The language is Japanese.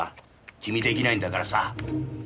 君出来ないんだからさ。